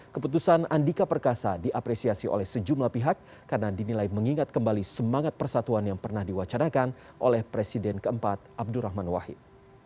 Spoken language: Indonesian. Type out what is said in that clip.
keputusan andika perkasa diapresiasi oleh sejumlah pihak karena dinilai mengingat kembali semangat persatuan yang pernah diwacanakan oleh presiden keempat abdurrahman wahid